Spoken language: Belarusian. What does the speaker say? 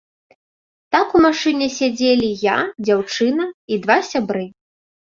Так у машыне сядзелі я, дзяўчына і два сябры.